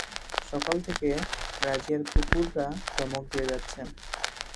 সকাল থেকে রাজিয়ার কুকুরা ধমক দিয়ে যাচ্ছে।